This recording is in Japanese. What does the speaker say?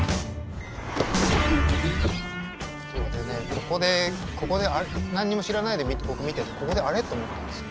ここでここで何にも知らないで僕見ててここで「あれ？」と思ったんですよ。